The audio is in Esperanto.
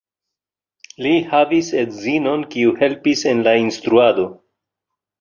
Li havis edzinon, kiu helpis en la instruado.